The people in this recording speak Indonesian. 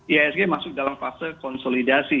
ihsg masuk dalam fase konsolidasi